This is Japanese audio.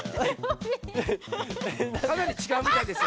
かなりちがうみたいですよ。